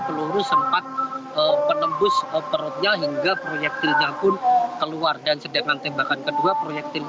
peluru sempat menembus perutnya hingga proyektilnya pun keluar dan sedangkan tembakan kedua proyektil